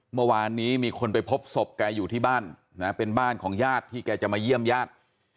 เมื่อวานนี้มีคนไปพบศพแกอยู่ที่บ้านนะเป็นบ้านของญาติที่แกจะมาเยี่ยมญาติ